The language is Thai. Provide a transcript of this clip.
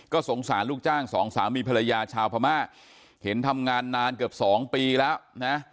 สงสารลูกจ้างสองสามีภรรยาชาวพม่าเห็นทำงานนานเกือบสองปีแล้วนะ